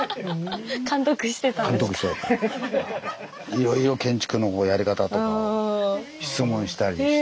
いろいろ建築のやり方とかを質問したりして。